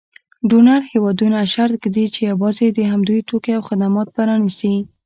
ډونر هېوادونه شرط ږدي چې یوازې د همدوی توکي او خدمات به رانیسي.